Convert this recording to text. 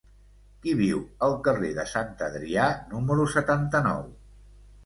Qui viu al carrer de Sant Adrià número setanta-nou?